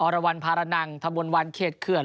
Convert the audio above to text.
รวรรณภาระนังทะบนวันเขตเขื่อน